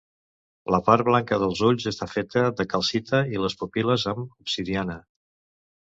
La part blanca dels ulls està feta de calcita, i les pupil·les, amb obsidiana.